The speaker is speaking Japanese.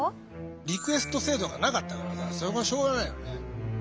リクエスト制度がなかったからさしょうがないよね。